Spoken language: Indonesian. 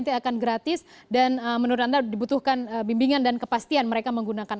nanti akan gratis dan menurut anda dibutuhkan bimbingan dan kepastian mereka menggunakan